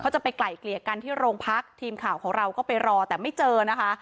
จะไปไกลเกลี่ยกันที่โรงพักทีมข่าวของเราก็ไปรอแต่ไม่เจอนะคะ